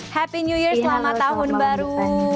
happy new year selamat tahun baru